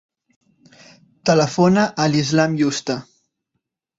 Telefona a l'Islam Yusta.